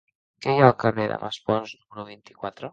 Què hi ha al carrer de Maspons número vint-i-quatre?